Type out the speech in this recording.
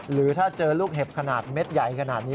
หรือถ้าเจอลูกเห็บขนาดเม็ดใหญ่ขนาดนี้